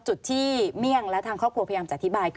จุดที่เมี่ยงและทางครอบครัวพยายามจะอธิบายคือ